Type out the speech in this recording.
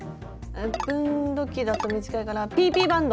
分度器だと短いからＰＰバンド！